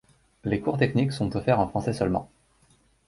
Les cours techniques sont offerts en français seulement.